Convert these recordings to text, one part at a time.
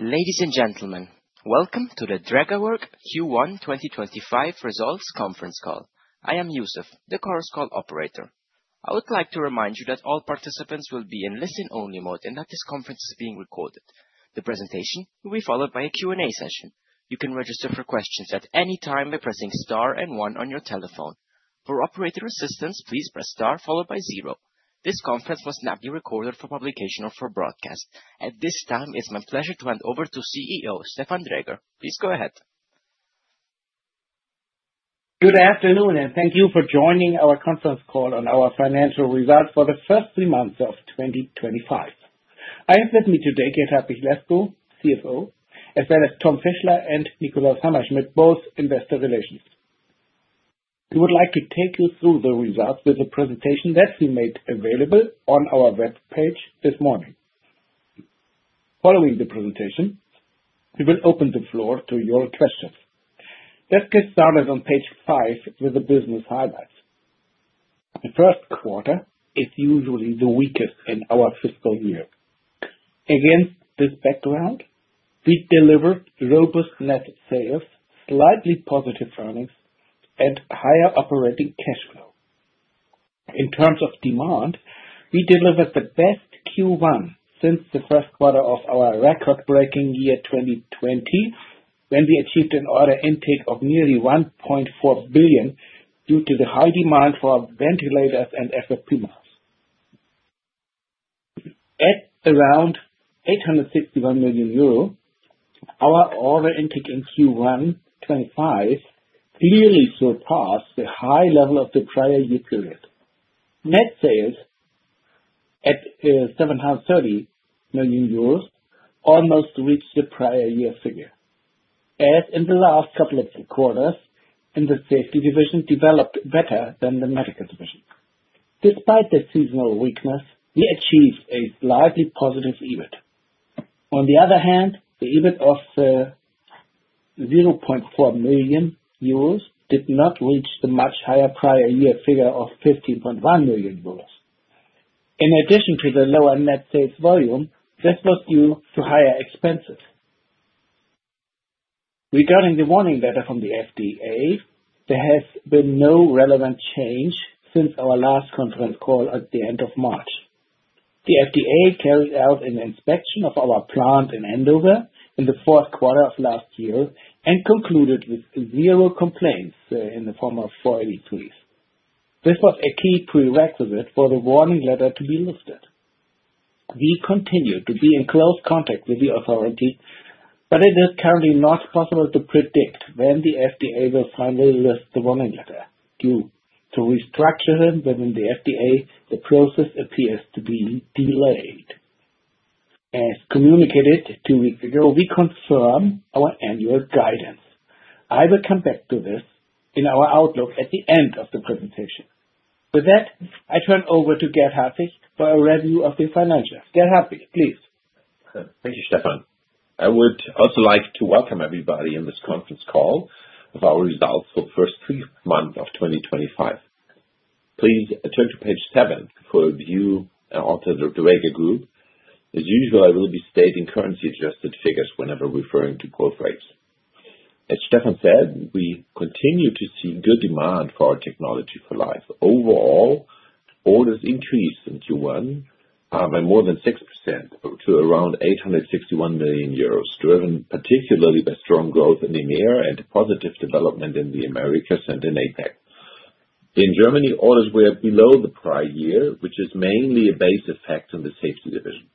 Ladies and gentlemen, welcome to the Drägerwerk Q1 2025 results conference call. I am Yusuf, the course call operator. I would like to remind you that all participants will be in listen-only mode and that this conference is being recorded. The presentation will be followed by a Q&A session. You can register for questions at any time by pressing star and one on your telephone. For operator assistance, please press star followed by zero. This conference will not be recorded for publication or for broadcast. At this time, it's my pleasure to hand over to CEO, Stefan Dräger. Please go ahead. Good afternoon, and thank you for joining our conference call on our financial results for the first three months of 2025. I have with me today Gert-Hartwig Lescow, CFO, as well as Tom Fischler and Nikolaus Hammerschmidt, both Investor Relations. We would like to take you through the results with the presentation that we made available on our web page this morning. Following the presentation, we will open the floor to your questions. Let's get started on page five with the business highlights. The first quarter is usually the weakest in our fiscal year. Against this background, we delivered robust net sales, slightly positive earnings, and higher operating cash flow. In terms of demand, we delivered the best Q1 since the first quarter of our record-breaking year 2020, when we achieved an order intake of nearly 1.4 billion due to the high demand for ventilators and FFP masks. At around 861 million euro, our order intake in Q1 2025 clearly surpassed the high level of the prior-year period. Net sales at 730 million euros almost reached the prior-year figure. As in the last couple of quarters, the safety division developed better than the medical division. Despite the seasonal weakness, we achieved a slightly positive EBIT. On the other hand, the EBIT of 0.4 million euros did not reach the much higher prior-year figure of 15.1 million euros. In addition to the lower net sales volume, this was due to higher expenses. Regarding the warning letter from the FDA, there has been no relevant change since our last conference call at the end of March. The FDA carried out an inspection of our plant in Andover in the fourth quarter of last year and concluded with zero complaints in the form of 483s. This was a key prerequisite for the warning letter to be lifted. We continue to be in close contact with the authority, but it is currently not possible to predict when the FDA will finally lift the warning letter. Due to restructuring within the FDA, the process appears to be delayed. As communicated two weeks ago, we confirm our annual guidance. I will come back to this in our outlook at the end of the presentation. With that, I turn over to Gert-Hartwig for a review of the financials. Gert-Hartwig, please. Thank you, Stefan. I would also like to welcome everybody in this conference call with our results for the first three months of 2025. Please turn to page seven for a view out of the Dräger Group. As usual, I will be stating currency-adjusted figures whenever referring to growth rates. As Stefan said, we continue to see good demand for our technology for life. Overall, orders increased in Q1 by more than 6% to around 861 million euros, driven particularly by strong growth in EMEA and positive development in the Americas and in APAC. In Germany, orders were below the prior year, which is mainly a base effect on the safety division.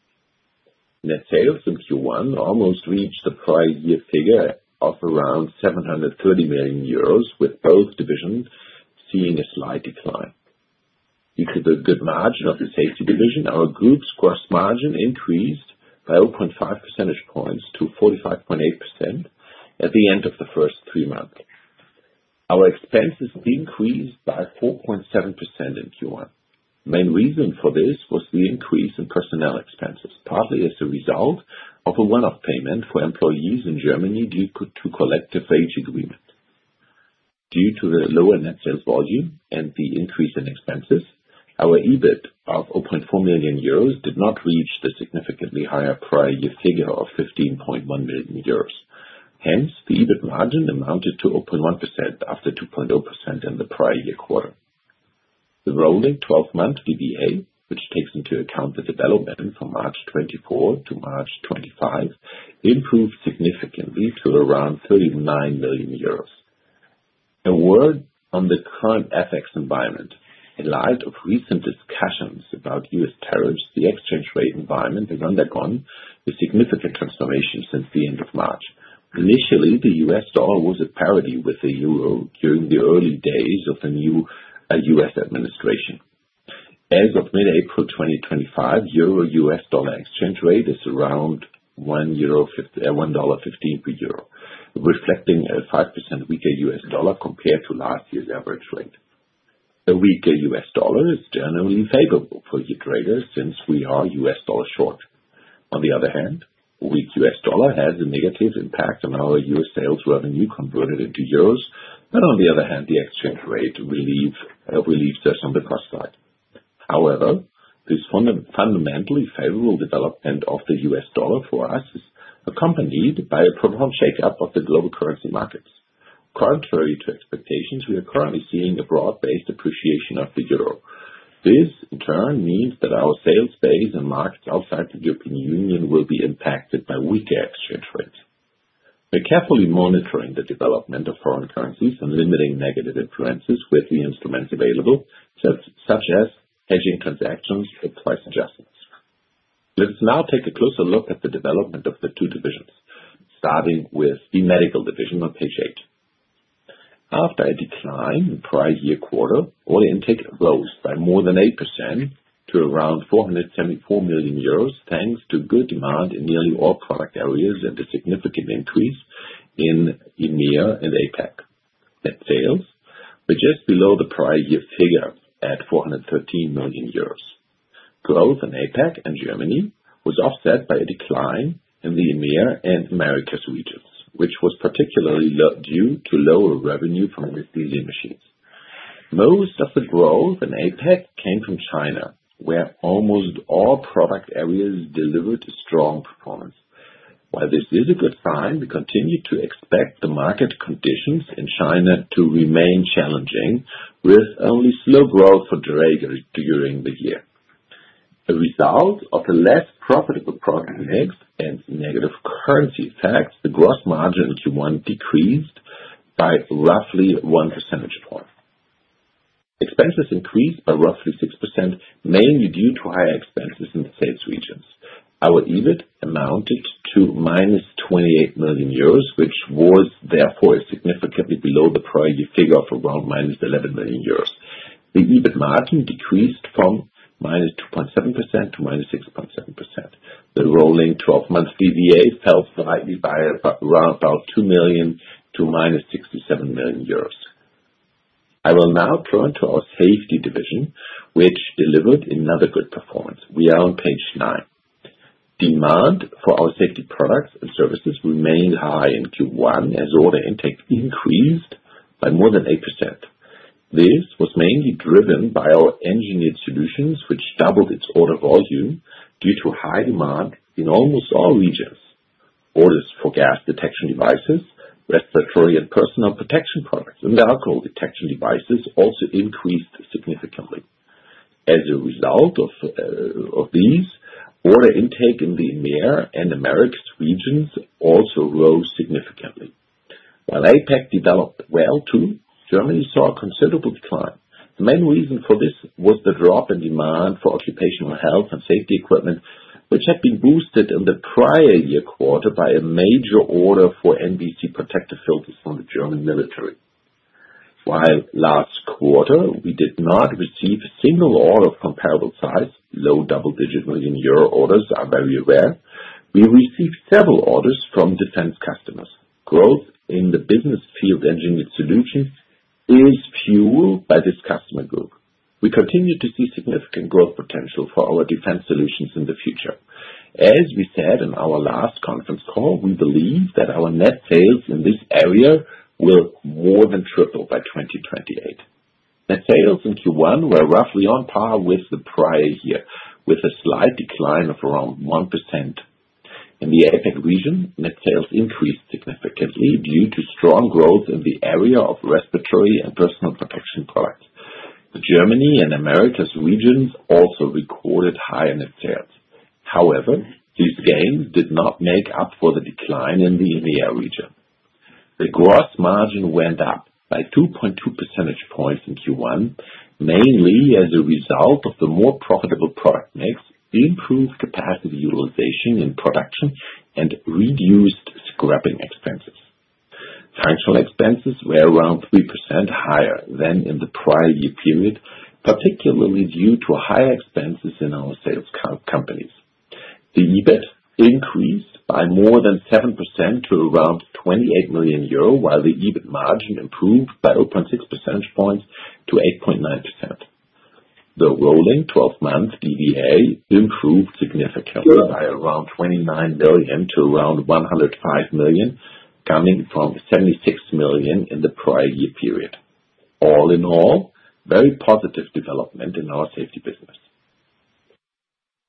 Net sales in Q1 almost reached the prior-year figure of around 730 million euros, with both divisions seeing a slight decline. Due to the good margin of the safety division, our group's gross margin increased by 0.5% points to 45.8% at the end of the first three months. Our expenses increased by 4.7% in Q1. The main reason for this was the increase in personnel expenses, partly as a result of a one-off payment for employees in Germany due to a collective wage agreement. Due to the lower net sales volume and the increase in expenses, our EBIT of 0.4 million euros did not reach the significantly higher prior year figure of 15.1 million euros. Hence, the EBIT margin amounted to 0.1% after 2.0% in the prior year quarter. The rolling 12-month DBA, which takes into account the development from March 2024 to March 2025, improved significantly to around 39 million euros. A word on the current FX environment. In light of recent discussions about U.S. tariffs, the exchange rate environment has undergone a significant transformation since the end of March. Initially, the U.S. dollar was at parity with the euro during the early days of the new U.S. administration. As of mid-April 2025, the euro/U.S. dollar exchange rate is around 1.50 euro and $1.15 per euro, reflecting a 5% weaker U.S. dollar compared to last year's average rate. A weaker U.S. dollar is generally favorable for you traders since we are U.S. dollar short. On the other hand, a weak U.S. dollar has a negative impact on our U.S. sales revenue converted into euros, but on the other hand, the exchange rate relieves us on the cost side. However, this fundamentally favorable development of the U.S. dollar for us is accompanied by a profound shake-up of the global currency markets. Contrary to expectations, we are currently seeing a broad-based appreciation of the euro. This, in turn, means that our sales base and markets outside the European Union will be impacted by weaker exchange rates. We're carefully monitoring the development of foreign currencies and limiting negative influences with the instruments available, such as hedging transactions and price adjustments. Let's now take a closer look at the development of the two divisions, starting with the medical division on page eight. After a decline in prior-year quarter, order intake rose by more than 8% to around 474 million euros, thanks to good demand in nearly all product areas and a significant increase in EMEA and APAC. Net sales were just below the prior-year figure at 413 million euros. Growth in APAC and Germany was offset by a decline in the EMEA and Americas regions, which was particularly due to lower revenue from refilling machines. Most of the growth in APAC came from China, where almost all product areas delivered a strong performance. While this is a good sign, we continue to expect the market conditions in China to remain challenging, with only slow growth for Dräger during the year. A result of the less profitable product mix and negative currency effects, the gross margin in Q1 decreased by roughly 1%. Expenses increased by roughly 6%, mainly due to higher expenses in the sales regions. Our EBIT amounted to -28 million euros, which was therefore significantly below the prior year figure of around -11 million euros. The EBIT margin decreased from -2.7% to -6.7%. The rolling 12-month DBA fell slightly by around about 2 million to -67 million euros. I will now turn to our safety division, which delivered another good performance. We are on page nine. Demand for our safety products and services remained high in Q1, as order intake increased by more than 8%. This was mainly driven by our engineered solutions, which doubled its order volume due to high demand in almost all regions. Orders for gas detection devices, respiratory and personal protection products, and alcohol detection devices also increased significantly. As a result of these, order intake in the EMEA and Americas regions also rose significantly. While APAC developed well too, Germany saw a considerable decline. The main reason for this was the drop in demand for occupational health and safety equipment, which had been boosted in the prior year quarter by a major order for NBC protective filters from the German military. While last quarter, we did not receive a single order of comparable size, low-double-digit million Euro orders are very rare, we received several orders from defense customers. Growth in the business field engineered solutions is fueled by this customer group. We continue to see significant growth potential for our defense solutions in the future. As we said in our last conference call, we believe that our net sales in this area will more than triple by 2028. Net sales in Q1 were roughly on par with the prior year, with a slight decline of around 1%. In the APAC region, net sales increased significantly due to strong growth in the area of respiratory and personal protection products. Germany and Americas regions also recorded higher net sales. However, these gains did not make up for the decline in the EMEA region. The gross margin went up by 2.2% points in Q1, mainly as a result of the more profitable product mix, improved capacity utilization in production, and reduced scrapping expenses. Functional expenses were around 3% higher than in the prior-year period, particularly due to higher expenses in our sales companies. The EBIT increased by more than 7% to around 28 million euro, while the EBIT margin improved by 0.6% points to 8.9%. The rolling 12-month DBA improved significantly by around 29 million to around 105 million, coming from 76 million in the prior-year period. All in all, very positive development in our safety business.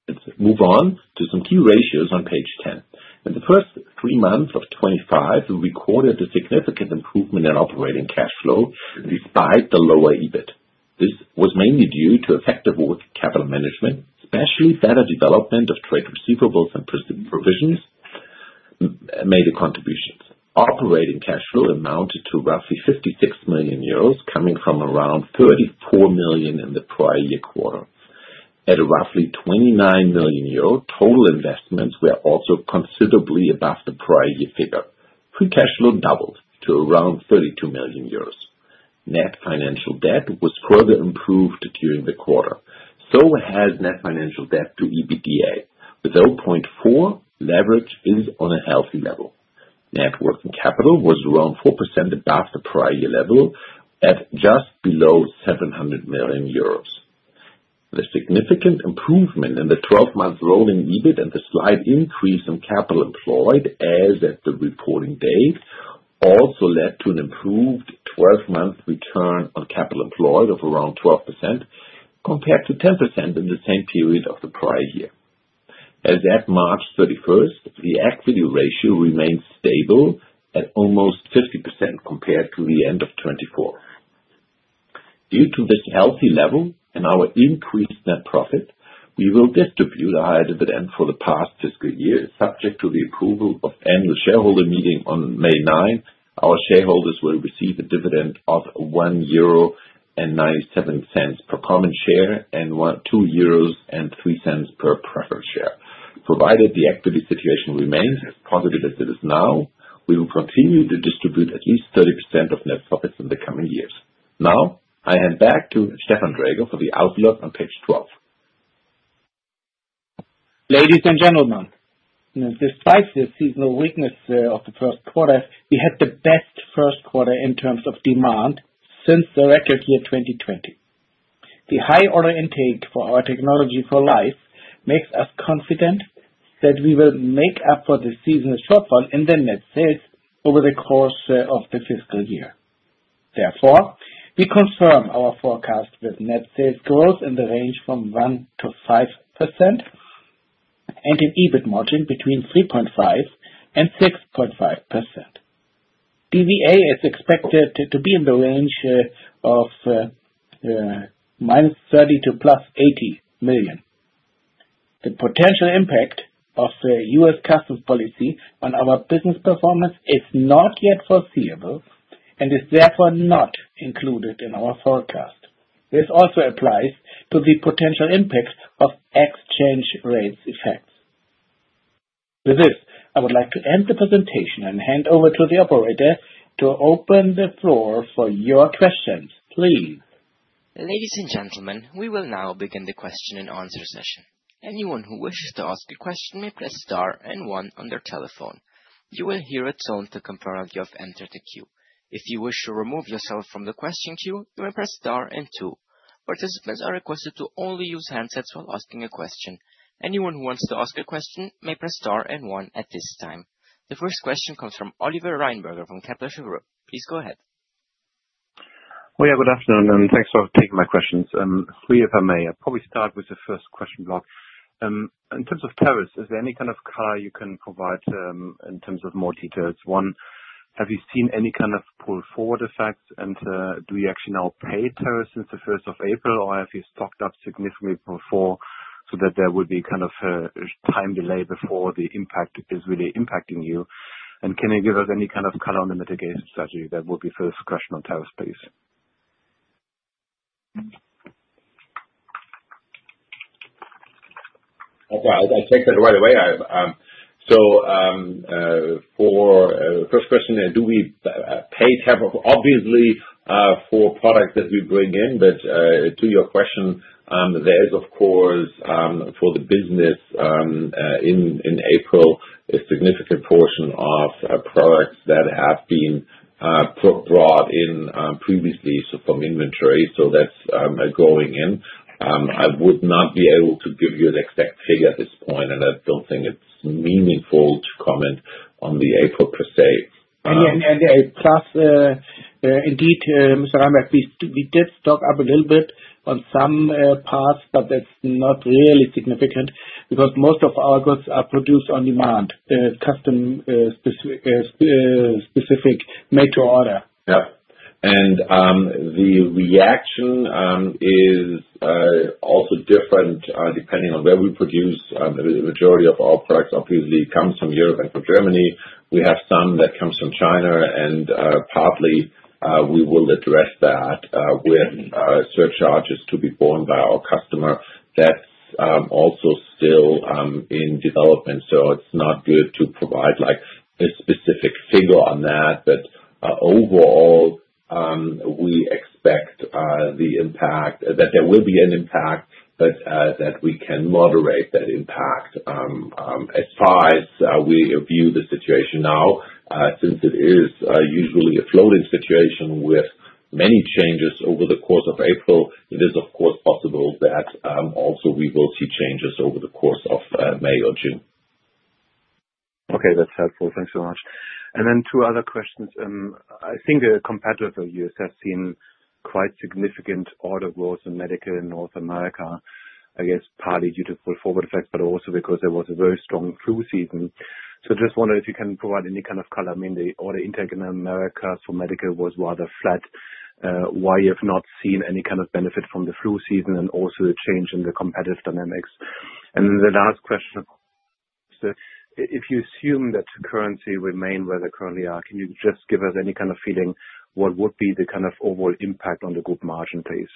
Let's move on to some key ratios on page ten. In the first three months of 2025, we recorded a significant improvement in operating cash flow despite the lower EBIT. This was mainly due to effective working capital management, especially better development of trade receivables and provisions made a contribution. Operating cash flow amounted to roughly 56 million euros, coming from around 34 million in the prior year quarter. At roughly 29 million euro, total investments were also considerably above the prior-year figure. Pre-cash flow doubled to around 32 million euros. Net financial debt was further improved during the quarter. So has net financial debt to EBITDA. With 0.4, leverage is on a healthy level. Net working capital was around 4% above the prior-year level, at just below 700 million euros. The significant improvement in the 12-month rolling EBIT and the slight increase in capital employed, as at the reporting date, also led to an improved 12-month return on capital employed of around 12% compared to 10% in the same period of the prior year. As at March 31st, the equity ratio remained stable at almost 50% compared to the end of 2024. Due to this healthy level and our increased net profit, we will distribute a higher dividend for the past fiscal year, subject to the approval of annual shareholder meeting. On May 9th, our shareholders will receive a dividend of 1.97 euro per common share and 2.03 euros per preferred share. Provided the equity situation remains as positive as it is now, we will continue to distribute at least 30% of net profits in the coming years. Now, I hand back to Stefan Dräger for the outlook on page 12. Ladies and gentlemen, despite the seasonal weakness of the first quarter, we had the best first quarter in terms of demand since the record year 2020. The high order intake for our technology for life makes us confident that we will make up for the seasonal shortfall in the net sales over the course of the fiscal year. Therefore, we confirm our forecast with net sales growth in the range from 1%-5% and an EBIT margin between 3.5% and 6.5%. DBA is expected to be in the range of -30 million-+EUR 80 million. The potential impact of U.S. customs policy on our business performance is not yet foreseeable and is therefore not included in our forecast. This also applies to the potential impact of exchange rate effects. With this, I would like to end the presentation and hand over to the operator to open the floor for your questions. Please. Ladies and gentlemen, we will now begin the question-and-answer session. Anyone who wishes to ask a question may press star and one on their telephone. You will hear a tone to confirm that you have entered the queue. If you wish to remove yourself from the question queue, you may press star and two. Participants are requested to only use handsets while asking a question. Anyone who wants to ask a question may press star and one at this time. The first question comes from Oliver Reinberg from Kepler Cheuvreux. Please go ahead. Oh, yeah, good afternoon, and thanks for taking my questions. If we ever may, I'll probably start with the first question block. In terms of tariffs, is there any kind of color you can provide in terms of more details? One, have you seen any kind of pull-forward effects, and do you actually now pay tariffs since the first of April, or have you stocked up significantly before so that there would be kind of a time delay before the impact is really impacting you? Can you give us any kind of color on the mitigation strategy? That would be first question on tariff space. Okay, I'll take that right away. For the first question, do we pay tariffs? Obviously, for products that we bring in. To your question, there is, of course, for the business in April, a significant portion of products that have been brought in previously from inventory. That is going in. I would not be able to give you an exact figure at this point, and I do not think it is meaningful to comment on the April per se. Yeah, yeah, yeah, plus indeed, Mr. Reinberg, we did stock up a little bit on some parts, but it's not really significant because most of our goods are produced on demand, custom-specific made-to-order. Yeah. The reaction is also different depending on where we produce. The majority of our products obviously come from Europe and from Germany. We have some that come from China, and partly we will address that with surcharges to be borne by our customer. That is also still in development, so it is not good to provide a specific figure on that. Overall, we expect the impact, that there will be an impact, but that we can moderate that impact. As far as we view the situation now, since it is usually a floating situation with many changes over the course of April, it is, of course, possible that also we will see changes over the course of May or June. Okay, that's helpful. Thanks so much. Two other questions. I think compared with the years, I've seen quite significant order growth in medical in North America, I guess partly due to pull-forward effects, but also because there was a very strong flu season. I just wonder if you can provide any kind of color. I mean, the order intake in America for medical was rather flat. Why you have not seen any kind of benefit from the flu season and also the change in the competitive dynamics? The last question, if you assume that currency remain where they currently are, can you just give us any kind of feeling what would be the kind of overall impact on the gross margin base?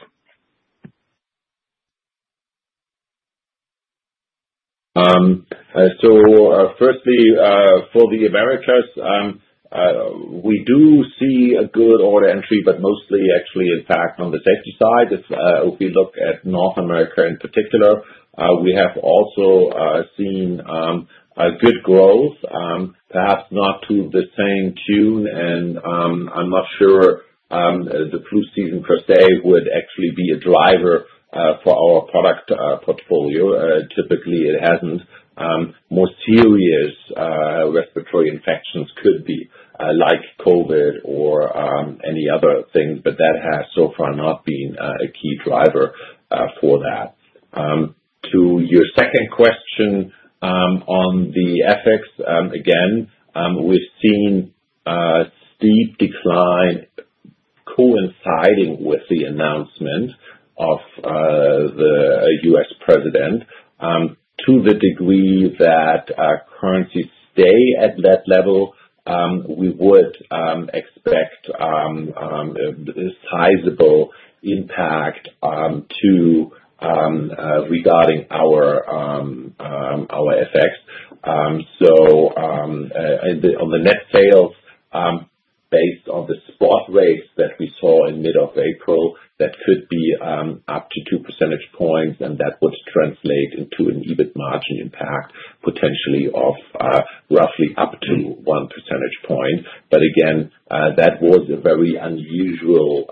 Firstly, for the Americas, we do see a good order entry, but mostly actually, in fact, on the safety side. If we look at North America in particular, we have also seen good growth, perhaps not to the same tune, and I'm not sure the flu season per se would actually be a driver for our product portfolio. Typically, it hasn't. More serious respiratory infections could be like COVID or any other things, but that has so far not been a key driver for that. To your second question on the ethics, again, we've seen a steep decline coinciding with the announcement of the U.S. president. To the degree that currencies stay at that level, we would expect a sizable impact regarding our FX. On the net sales, based on the spot rates that we saw in mid-April, that could be up to 2% points, and that would translate into an EBIT margin impact potentially of roughly up to 1% point. Again, that was a very unusual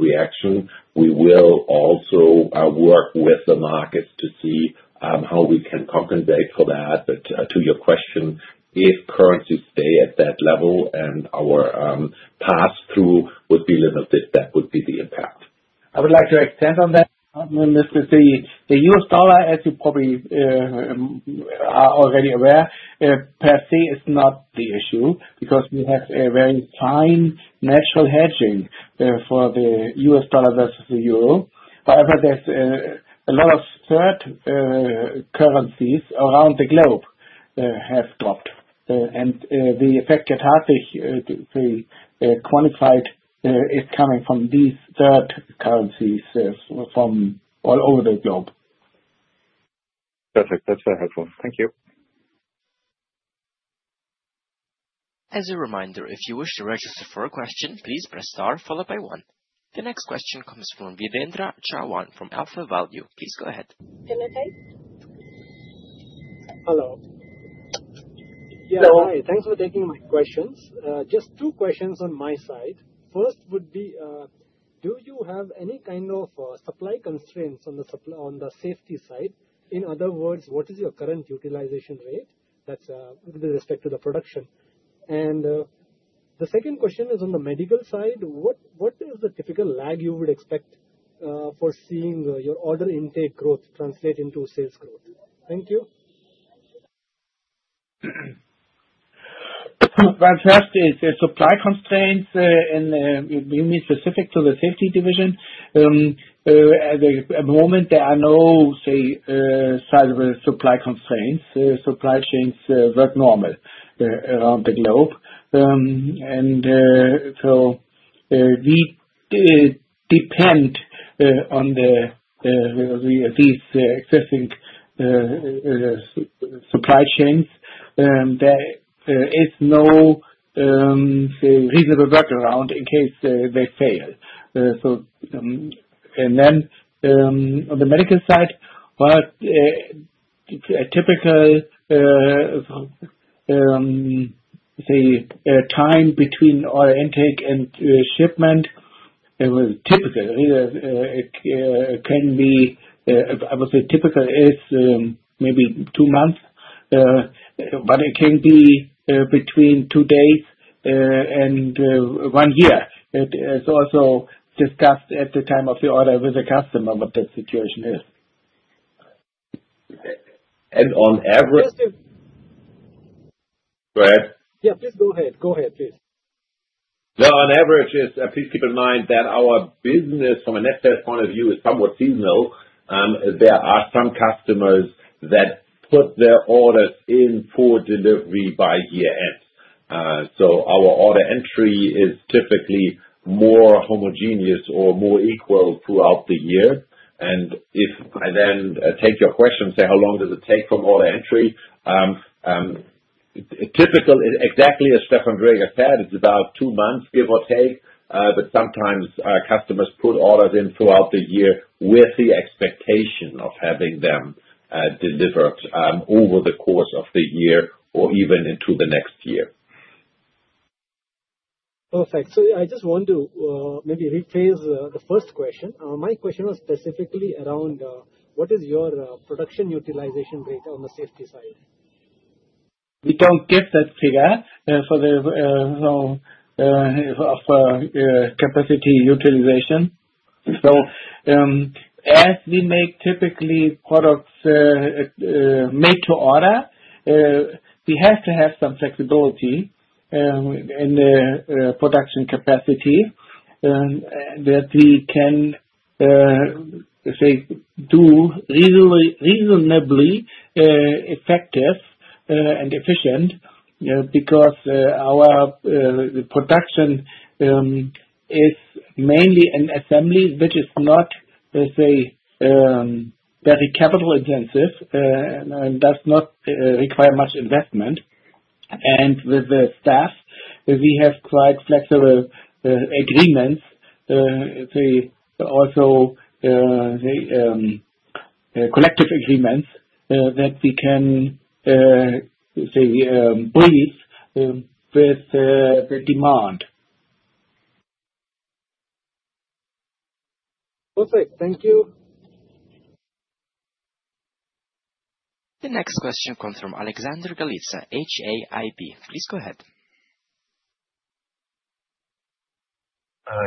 reaction. We will also work with the markets to see how we can compensate for that. To your question, if currencies stay at that level and our pass-through would be limited, that would be the impact. I would like to extend on that. the US dollar, as you probably are already aware, per se is not the issue because we have a very fine natural hedging for the US dollar versus the euro. However, there's a lot of third currencies around the globe that have dropped, and the effect that [we have], the quantified, is coming from these third currencies from all over the globe. Perfect. That's very helpful. Thank you. As a reminder, if you wish to register for a question, please press star followed by one. The next question comes from Virendra Chauhan from AlphaValue. Please go ahead. Hello, guys. Hello. Hello. Hi. Thanks for taking my questions. Just two questions on my side. First would be, do you have any kind of supply constraints on the safety side? In other words, what is your current utilization rate with respect to the production? The second question is on the medical side. What is the typical lag you would expect for seeing your order intake growth translate into sales growth? Thank you. Fantastic. Supply constraints in specific to the safety division. At the moment, there are no, say, supply constraints. Supply chains work normal around the globe. We depend on these existing supply chains. There is no reasonable workaround in case they fail. On the medical side, a typical time between order intake and shipment typically, it can be, I would say, typical is maybe two months, but it can be between two days and one year. It's also discussed at the time of the order with the customer what the situation is. On average. Mr. Go ahead. Yeah, please go ahead. Go ahead, please. No, on average, please keep in mind that our business from a net sales point of view is somewhat seasonal. There are some customers that put their orders in for delivery by year-end. Our order entry is typically more homogeneous or more equal throughout the year. If I then take your question and say, how long does it take from order entry? Typically, exactly as Stefan Dräger said, it's about two months, give or take. Sometimes customers put orders in throughout the year with the expectation of having them delivered over the course of the year or even into the next year. Perfect. I just want to maybe rephrase the first question. My question was specifically around what is your production utilization rate on the safety side? We do not get that figure for capacity utilization. As we make typically products made-to-order, we have to have some flexibility in the production capacity that we can do reasonably effective and efficient because our production is mainly an assembly, which is not, let's say, very capital-intensive and does not require much investment. With the staff, we have quite flexible agreements, also collective agreements that we can breathe with the demand. Perfect. Thank you. The next question comes from Alexander Galitsa, HAIB. Please go ahead.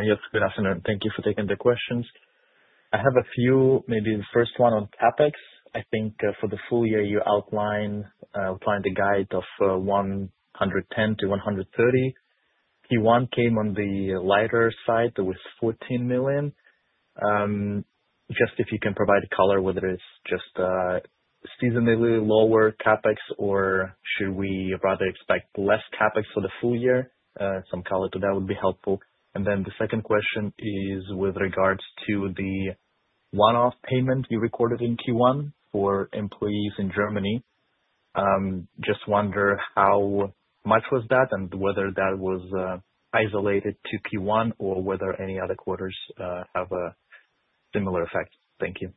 Yes, good afternoon. Thank you for taking the questions. I have a few, maybe the first one on CapEx. I think for the full year, you outlined a guide of 110 million-130 million. Q1 came on the lighter side with 14 million. Just if you can provide a color whether it's just seasonally lower CapEx or should we rather expect less CapEx for the full year, some color to that would be helpful. The second question is with regards to the one-off payment you recorded in Q1 for employees in Germany. Just wonder how much was that and whether that was isolated to Q1 or whether any other quarters have a similar effect. Thank you.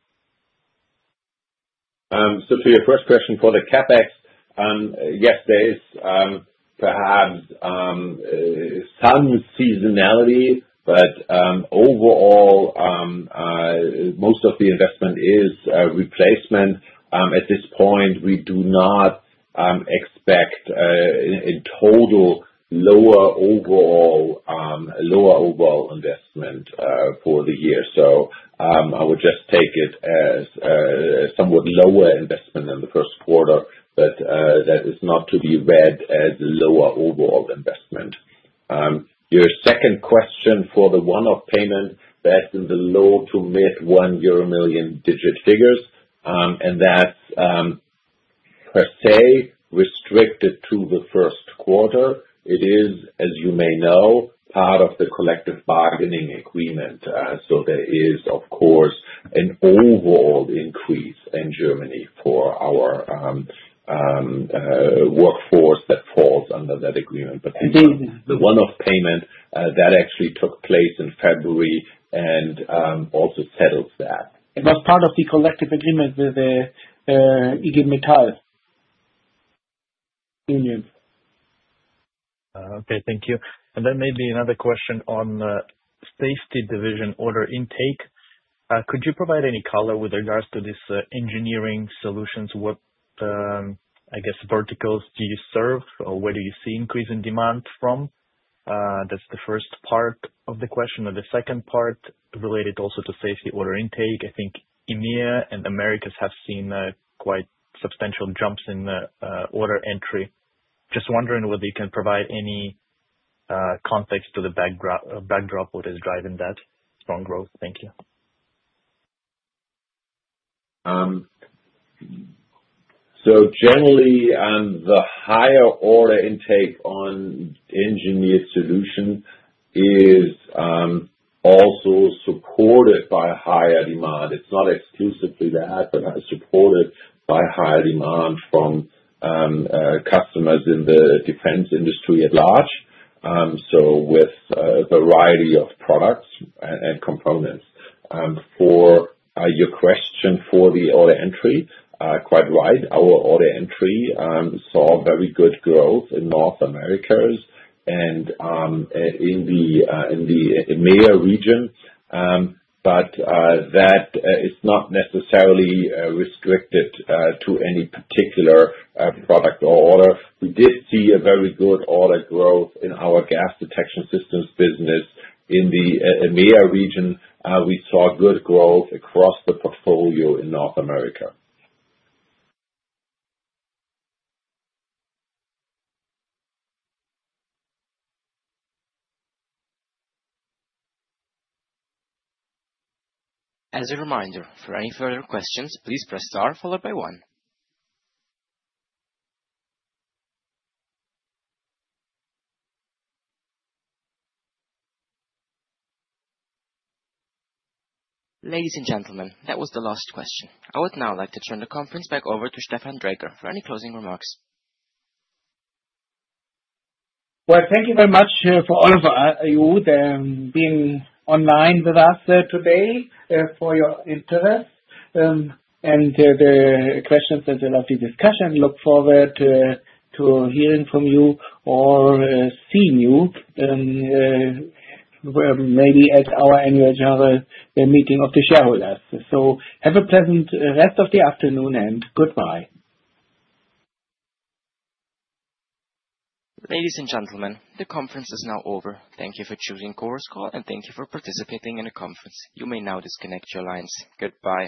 For your first question for the CapEx, yes, there is perhaps some seasonality, but overall, most of the investment is replacement. At this point, we do not expect a total lower overall investment for the year. I would just take it as somewhat lower investment in the first quarter, but that is not to be read as lower overall investment. Your second question for the one-off payment, that's in the low to mid-EUR 1 million digit figures, and that's per se restricted to the first quarter. It is, as you may know, part of the collective bargaining agreement. There is, of course, an overall increase in Germany for our workforce that falls under that agreement. The one-off payment, that actually took place in February and also settles that. It was part of the collective agreement with the IG Metall Union. Okay, thank you. Maybe another question on the safety division order intake. Could you provide any color with regards to these engineered solutions? What, I guess, verticals do you serve or where do you see increasing demand from? That is the first part of the question. The second part related also to safety order intake. I think EMEA and Americas have seen quite substantial jumps in order entry. Just wondering whether you can provide any context to the backdrop what is driving that strong growth. Thank you. Generally, the higher order intake on engineered solutions is also supported by higher demand. It's not exclusively that, but supported by higher demand from customers in the defense industry at large, with a variety of products and components. For your question for the order entry, quite right. Our order entry saw very good growth in North Americas and in the EMEA region, but that is not necessarily restricted to any particular product or order. We did see a very good order growth in our gas detection systems business. In the EMEA region, we saw good growth across the portfolio in North America. As a reminder, for any further questions, please press star followed by one. Ladies and gentlemen, that was the last question. I would now like to turn the conference back over to Stefan Dräger for any closing remarks. Thank you very much for all of you being online with us today for your interest and the questions and the discussion. Look forward to hearing from you or seeing you maybe at our annual general meeting of the shareholders. Have a pleasant rest of the afternoon and goodbye. Ladies and gentlemen, the conference is now over. Thank you for choosing Chorus Call, and thank you for participating in the conference. You may now disconnect your lines. Goodbye.